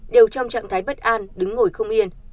đều trong trạng thái bất an đứng ngồi không yên